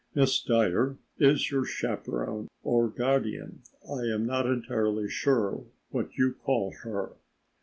Miss Dyer is your chaperon or guardian, I am not entirely sure what you call her."